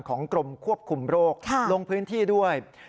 กรมควบคุมโรคลงพื้นที่ด้วย